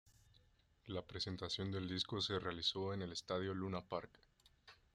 La presentación del disco se realizó en el Estadio Luna Park.